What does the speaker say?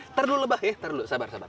ntar dulu lebah ya ntar dulu sabar sabar